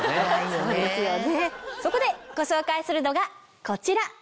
そこでご紹介するのがこちら。